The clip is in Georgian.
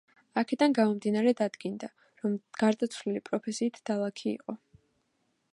აქედან გამომდინარე დადგინდა, რომ გარდაცვლილი პროფესიით დალაქი იყო.